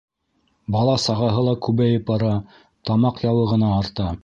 Бала-сағаһы ла күбәйеп бара, тамаҡ яуы ғына арта.